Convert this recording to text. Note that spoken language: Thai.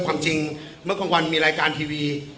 ความจริงเมื่อกลางวันมีรายการทีวี